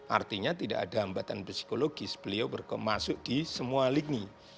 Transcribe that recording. artinya tidak ada hambatan psikologis beliau berkemasuk di semua lini